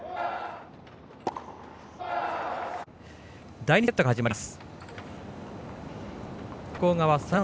第２セットが始まります。